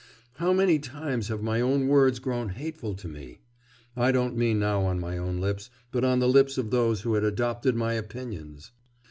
'How many times have my own words grown hateful to me! I don't mean now on my own lips, but on the lips of those who had adopted my opinions!